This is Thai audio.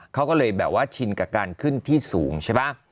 เขาก็เลยแบบว่าชินกับการขึ้นที่สูงใช่ป่ะ